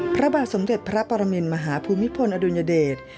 พระบาทสมเด็จพระปรมินมหาภูมิพลอดุลยเดช